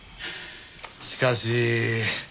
しかし。